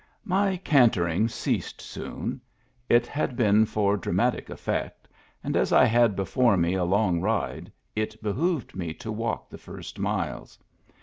My cantering ceased soon, — it had been for dramatic effect, — and as I had before me a long ride, it behooved me to walk the first miles.